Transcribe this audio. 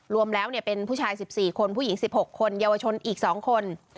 รวมแล้วเป็นผู้ชาย๑๔คนผู้หญิง๑๖คนเยาวชนอีก๒คน